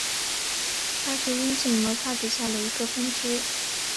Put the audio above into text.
它是阴茎摩擦底下的一个分支。